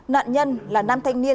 nạn nhân là nam thanh niên